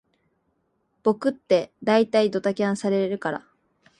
僕ってだいたいドタキャンされるから